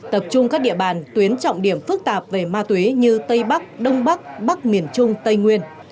tập trung các địa bàn tuyến trọng điểm phức tạp về ma túy như tây bắc đông bắc bắc miền trung tây nguyên